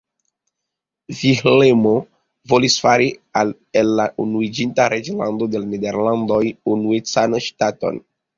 Vilhelmo volis fari el la Unuiĝinta Reĝlando de la Nederlandoj unuecan ŝtaton.